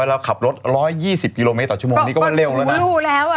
ว่าเราขับรถ๑๒๐กิโลเมตรต่อชั่วโมงนี้ก็เลยเร็วเลยนะ